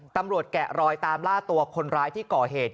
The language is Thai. แกะรอยตามล่าตัวคนร้ายที่ก่อเหตุ